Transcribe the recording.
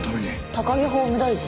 高木法務大臣？